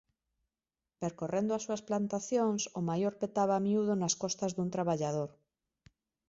Percorrendo as súas plantacións, o maior petaba a miúdo nas costas dun traballador: